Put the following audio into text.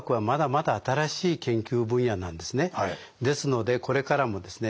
ですのでこれからもですね